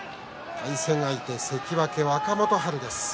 対戦相手、関脇若元春です。